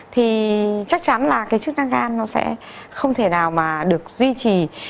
thì chắc chắn là cái chức năng gan nó sẽ không thể nào mà được duy trì